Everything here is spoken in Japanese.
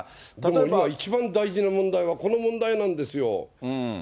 今、一番大事な問題は、この問題なんですよ。